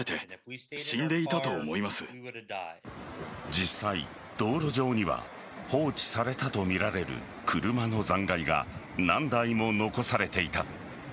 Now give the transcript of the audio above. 実際、道路上には放置されたとみられる車の残骸が何台も残されていた。